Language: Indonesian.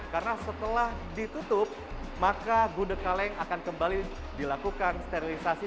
karena setelah ditutup maka gude kaleng akan kembali dilakukan sterilisasi